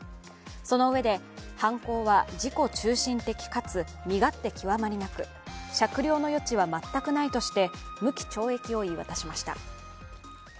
そのうえで、犯行は自己中心的かつ身勝手極まりなく酌量の余地は全くないとして無期懲役を言い渡しました。